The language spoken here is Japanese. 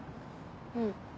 うん。